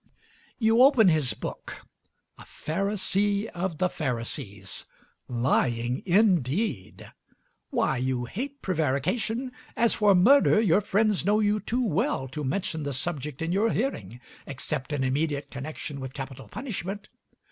You open his book a Pharisee of the Pharisees. Lying, indeed! Why, you hate prevarication. As for murder, your friends know you too well to mention the subject in your hearing, except in immediate connection with capital punishment.